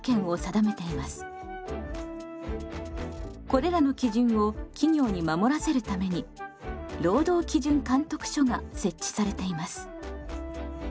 これらの基準を企業に守らせるために労働基準監督署が設置されています。